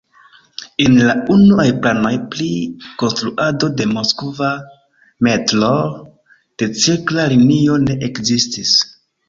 En la unuaj planoj pri konstruado de Moskva metroo la cirkla linio ne ekzistis.